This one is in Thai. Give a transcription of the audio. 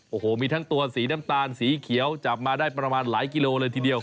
โอ้โหมีทั้งตัวสีน้ำตาลสีเขียวจับมาได้ประมาณหลายกิโลเลยทีเดียว